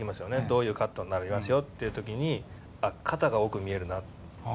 どういうカットになりますよっていうときに、肩が多く見えるな。